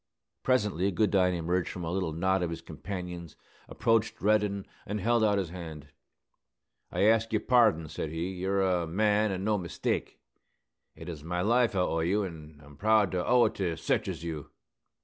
Presently Goodine emerged from a little knot of his companions, approached Reddin, and held out his hand. "I ask yer pardon," said he. "You're a man, an' no mistake. It is my life I owe to you; an' I'm proud to owe it to sech as you!"